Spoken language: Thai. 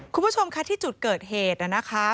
คุณผู้ชมค่ะที่จุดเกิดเหตุนะคะ